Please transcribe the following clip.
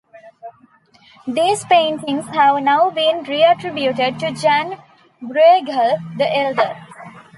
These paintings have now been reattributed to Jan Brueghel the Elder.